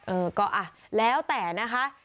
เออแล้วแต่นะคะ